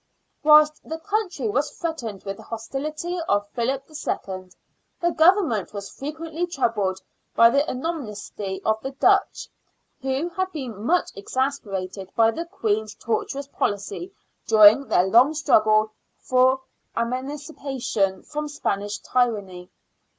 Whilst the country was threatened with the hostility of Philip II., the Government was frequently troubled by the animosity of the Dutch, who had been much exasperated by the Queen's tortuous policy during their long struggle for emancipation from Spanish tyranny.